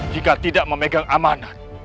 jika tidak memegang amanat